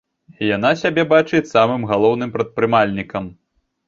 Яна сябе бачыць самым галоўным прадпрымальнікам.